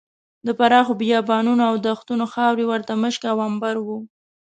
د پراخو بیابانونو او دښتونو خاورې ورته مشک او عنبر وو.